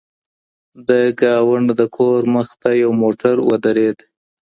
د ګاونډي د کور مخې ته یو موټر ودرېد.